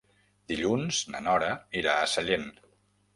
Dilluns na Nora irà a Sellent.